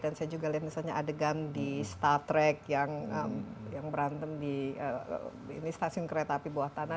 dan saya juga lihat adegan di star trek yang berantem di stasiun kereta api bawah tanah